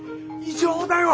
異常だよ